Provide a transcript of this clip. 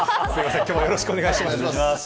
よろしくお願いします。